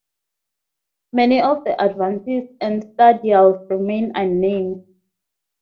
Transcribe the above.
Many of the advances and stadials remain unnamed.